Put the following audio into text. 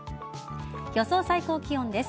予想最高気温です。